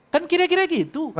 kan kira kira gitu